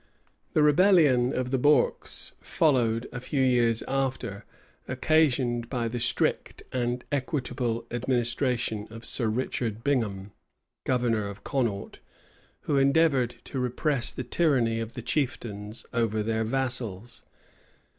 The rebellion of the Bourks followed a few years after; occasioned by the strict and equitable administration of Sir Richard Bingham, governor of Connaught, who endeavored to repress the tyranny of the chieftains over their vassals.